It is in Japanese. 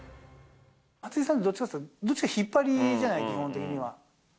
松井さんはどっちかというと、どっちか引っ張りじゃない、基本的には。